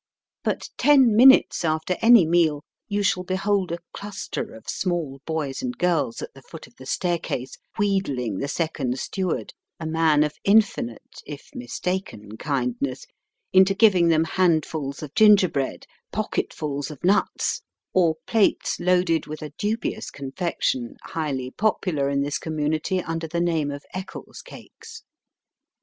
But ten minutes after any meal you shall behold a cluster of small boys and girls at the foot of the staircase wheedling the second steward, a man of infinite, if mistaken, kindness, into Digitized by VjOOQIC '' OFF SANDY HOOK." 15 giving them handfuls of gingerbread, pocket Ms of nuts, or plates loaded witli a dubious confection highly popular in this community under the name of Eccles cakes.